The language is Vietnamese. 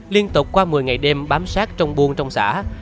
liên tục qua một mươi ngày đêm bám sát trong buôn trong xã